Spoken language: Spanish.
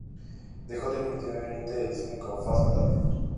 Dejó definitivamente el cine con "Fast Life".